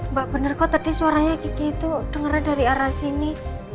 mbak bener kok tadi suaranya kiki itu dengernya dari arah sini